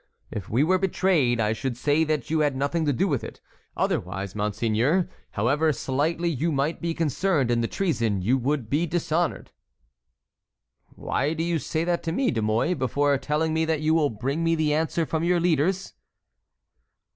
"If we were betrayed I should say that you had nothing to do with it; otherwise, monseigneur, however slightly you might be concerned in the treason, you would be dishonored." "Why do you say that to me, De Mouy, before telling me that you will bring me the answer from your leaders?"